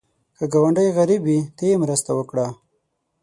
که ګاونډی غریب وي، ته یې مرسته وکړه